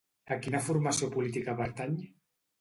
A quina formació política pertany?